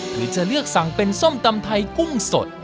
หรือจะเลือกสั่งเป็นส้มตำไทยกุ้งสด